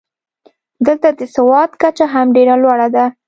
دلته د سواد کچه هم ډېره لوړه ده.